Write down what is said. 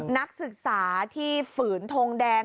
นักศึกษาที่ฝืนทงแดง